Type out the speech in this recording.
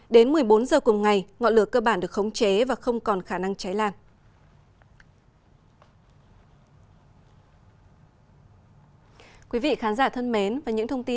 đến một mươi bốn giờ cùng ngày ngọn lửa cơ bản được khống chế và không còn khả năng cháy lan